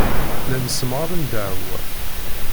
Llan ssemɣaren ddeɛwa.